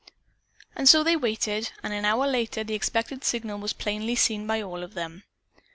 And so they waited, and an hour later the expected signal was plainly seen by all of them.